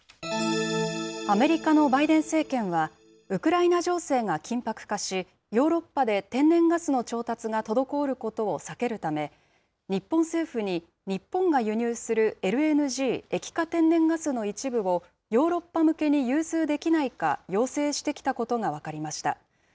アメリカのバイデン政権は、ウクライナ情勢が緊迫化し、ヨーロッパで天然ガスの調達が滞ることを避けるため、日本政府に、日本が輸入するＬＮＧ・液化天然ガスの一部をヨーロッパ向けに融通できないか要請してきたことが分かりました。